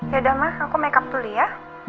yaudah ma aku makeup dulu ya